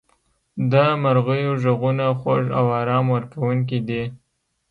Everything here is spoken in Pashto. • د مرغیو ږغونه خوږ او آرام ورکوونکي دي.